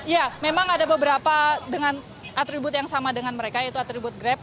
ya memang ada beberapa dengan atribut yang sama dengan mereka yaitu atribut grab